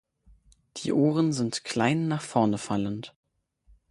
Die Ohren sind klein nach vorne fallend.